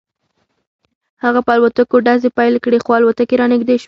هغه په الوتکو ډزې پیل کړې خو الوتکې رانږدې شوې